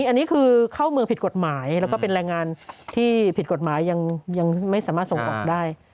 อันนี้คือเข้าเมืองผิดกฎหมายแล้วก็เป็นแรงงานที่ผิดกฎหมายยังไม่สามารถส่งออกได้